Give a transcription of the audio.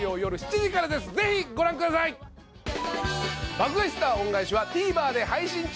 『爆買い☆スター恩返し』はＴＶｅｒで配信中。